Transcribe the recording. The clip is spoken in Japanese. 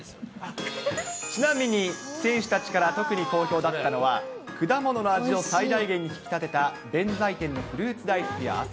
ちなみに選手たちから特に好評だったのは、果物の味を最大限に引き立てた弁才天のフルーツ大福や。